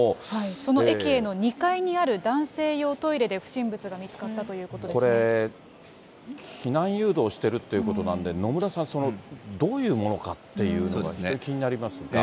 そのエキエの２階にある男性用トイレで、不審物が見つかったこれ、避難誘導してるってことなので、野村さん、どういうものかっていうのは気になりますが。